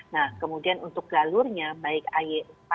nah kemudian untuk galurnya baik ai empat dua maupun ai empat dua